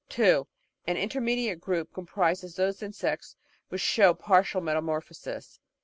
(2) An intermediate group comprises those insects which show partial metamorphosis.